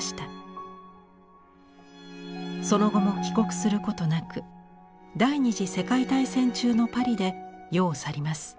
その後も帰国することなく第二次世界大戦中のパリで世を去ります。